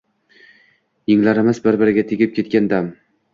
Yenglarimiz bir-biriga tegib ketgan dam